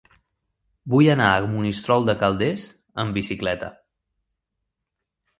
Vull anar a Monistrol de Calders amb bicicleta.